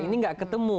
ini gak ketemu